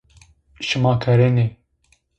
Şıma kerenê.